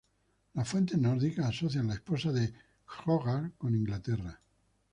Las fuentes nórdicas asocian la esposa de Hroðgar con Inglaterra.